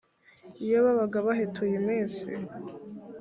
iyo babaga bahetuye iminsi